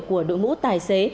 của đội ngũ tài xế